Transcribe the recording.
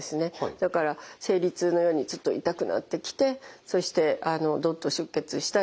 だから生理痛のようにちょっと痛くなってきてそしてどっと出血したりします。